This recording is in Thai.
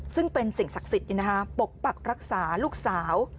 ซึ่งเป็นสิ่งศักดิ์สิทธิ์ปกปักรักษาลูกสาว